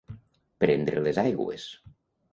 Prendre les aigües.